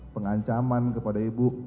pengancaman kepada ibu